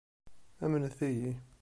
Amnet-iyi.